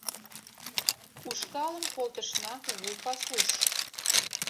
Ушкалым колтышна кугу пасуш